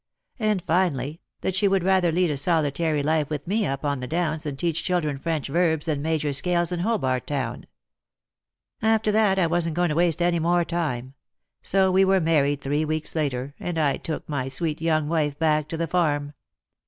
— and finally, that she would rather lead a solitary life with me up on the Downs than teach children French verbs and major scales in Hobart Town. After that I wasn't going to waste any more time ; so we were married three weeks later, and I took my sweet young wife back to the farm.